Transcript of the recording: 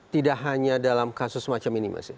tidak hanya dalam kasus semacam ini mas ya